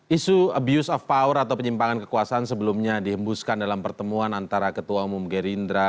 isu abuse of power atau penyimpangan kekuasaan sebelumnya dihembuskan dalam pertemuan antara ketua umum gerindra